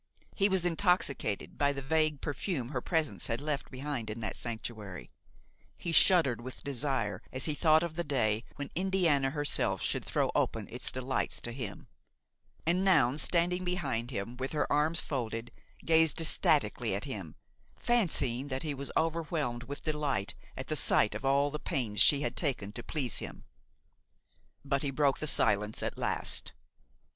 He was intoxicated by the vague perfume her presence had left behind in that sanctuary; he shuddered with desire as he thought of the day when Indiana herself should throw open its delights to him; and Noun, standing behind him with her arms folded, gazed ecstatically at him, fancying that he was overwhelmed with delight at the sight of all the pains she had taken to please him. But he broke the silence at last.